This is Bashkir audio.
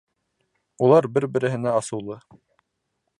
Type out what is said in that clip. Улар бер-береһенә асыулы.